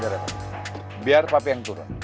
nanti reba biar papi yang turun